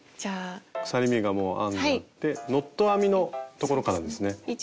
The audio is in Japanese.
鎖目がもう編んであってノット編みのところからですね。